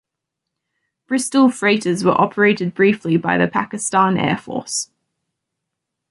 Bristol Freighters were operated briefly by the Pakistan Air Force.